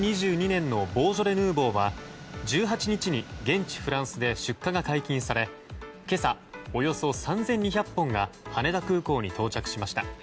２０２２年のボージョレ・ヌーボーは１８日に現地フランスで出荷が解禁され今朝、およそ３２００本が羽田空港に到着しました。